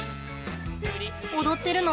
踊ってるの？